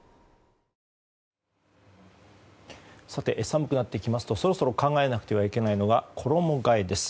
寒くなってきますとそろそろ考えなくてはいけないのが衣替えです。